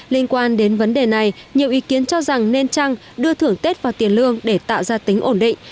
liên quan đến vấn đề này nhiều ý kiến cho rằng nên trăng đưa thưởng tết vào tiền lương để tạo ra tính ổn định